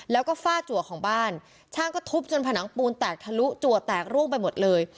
แล้วก็ฝ้าจัวของบ้านช่างก็ทุบจนผนังปูนแตกทะลุจัวแตกร่วงไปหมดเลย